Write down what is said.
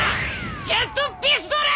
ジェットピストル！